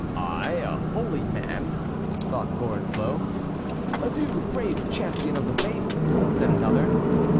"I, a holy man!" thought Gorenflot. "Adieu, brave champion of the faith," said another.